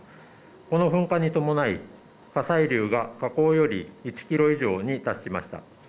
この噴火に伴い火砕流が火口より１キロ以上に達しました。